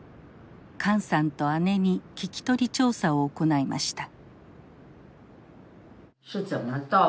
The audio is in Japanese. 管さんと姉に聞き取り調査を行いました。